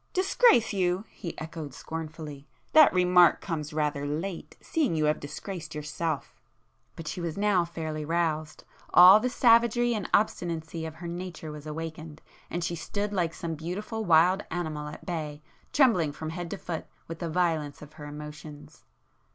"Disgrace you!" he echoed scornfully—"That remark comes rather late, seeing you have disgraced yourself!" But she was now fairly roused. All the savagery and obstinacy of her nature was awakened, and she stood like some beautiful wild animal at bay, trembling from head to foot with the violence of her emotions.